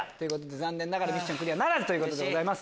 残念ながらミッションクリアならずです。